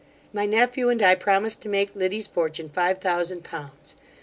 My nephew and I promised to make Liddy's fortune five thousand pounds.